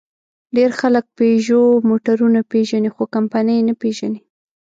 ډېر خلک پيژو موټرونه پېژني؛ خو کمپنۍ یې نه پېژني.